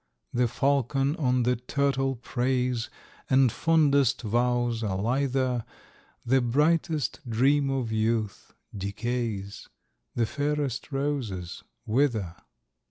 The falcon on the turtle preys, And fondest vows are lither, The brightest dream of youth decays, The fairest roses wither.